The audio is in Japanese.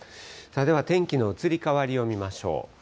では天気の移り変わりを見ましょう。